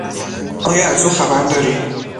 آیا از او خبری داری؟